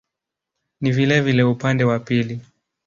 Ni vilevile upande wa pili.